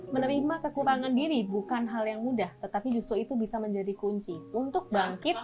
menerima kekurangan diri bukan hal yang mudah tetapi justru itu bisa menjadi kunci untuk bangkit